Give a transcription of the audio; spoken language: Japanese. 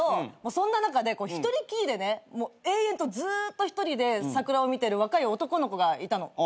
そんな中で一人っきりでね延々とずーっと一人で桜を見てる若い男の子がいたの。